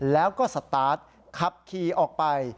แล้วก็สตาร์ทขับขี่ออกไป